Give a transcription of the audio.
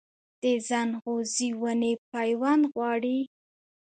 د ځنغوزي ونې پیوند غواړي؟